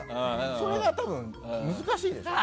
それが多分難しい。